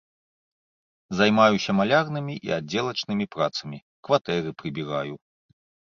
Займаюся малярнымі і аддзелачнымі працамі, кватэры прыбіраю.